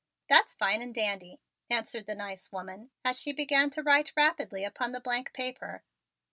"That's fine and dandy," answered the nice woman as she began to write rapidly upon the blank paper.